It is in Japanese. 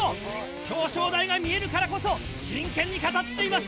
表彰台が見えるからこそ真剣に語っていました。